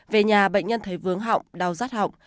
về nhà bệnh nhân thấy vướng họng đau rát họng